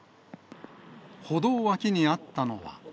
歩道脇にあったのは。